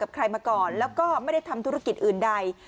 ใครมาก่อนแล้วก็ไม่ได้ทำธุรกิจอื่นใด